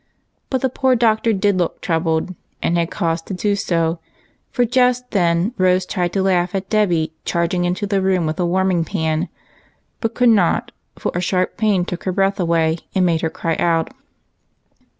But the poor Doctor did look troubled, and had cause to do so, for just then Rose tried to laugh at Dolly charging into the room with a warming pan, bjit could not, for the sharp pain that took her breath away, and made her cry out.